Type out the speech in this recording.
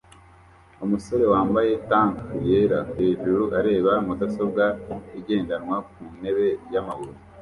Umusore wambaye tank yera hejuru areba mudasobwa igendanwa ku ntebe yamabuye